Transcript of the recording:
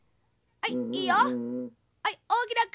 はい」。